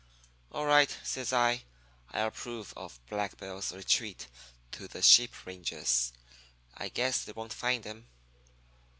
"'All right,' says I. 'I approve of Black Bill's retreat to the sheep ranges. I guess they won't find him.'